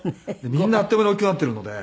みんなあっという間に大きくなっているので。